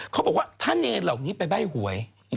เขาบอกว่าถ้าเนรเหล่านี้ไปใบ้หวย